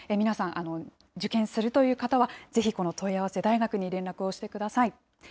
皆さん、受験するという方は、ぜひ、この問い合わせ大学に連絡をしてください。